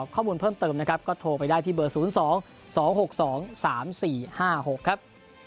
ข้อมูลเพิ่มเติมนะครับก็โทรไปได้ที่เบอร์๐๒๒๖๒๓๔๕๖ครับ